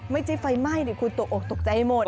ไม่ใช่ไฟไหม้นี่คุณตัวออกตกใจให้หมด